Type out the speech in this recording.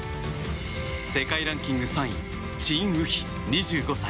世界ランキング３位チン・ウヒ、２５歳。